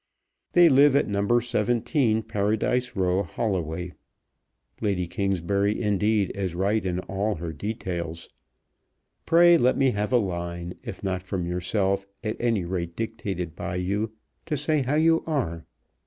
They live at No. 17, Paradise Row, Holloway. Lady Kingsbury, indeed, is right in all her details. Pray let me have a line, if not from yourself, at any rate dictated by you, to say how you are.